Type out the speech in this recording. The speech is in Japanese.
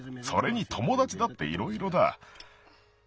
それにともだちだっていろいろだ。